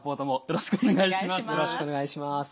よろしくお願いします。